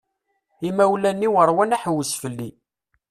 Imawlan-iw rwan aḥewwes fell-i.